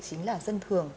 chính là dân thường